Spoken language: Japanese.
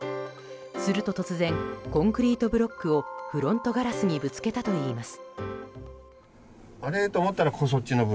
すると突然、コンクリートブロックをフロントガラスにぶつけたといいます。